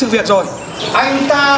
và đoàn kết